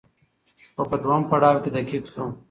خو په دويم پړاو کې دقيق شو